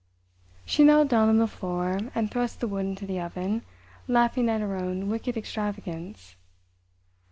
She knelt down on the floor, and thrust the wood into the oven, laughing at her own wicked extravagance.